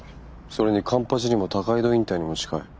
それに環八にも高井戸インターにも近い。